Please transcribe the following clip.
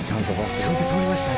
ちゃんと通りましたね。